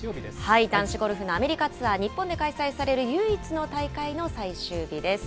男子ゴルフのアメリカツアー、日本で開催される唯一の大会の最終日です。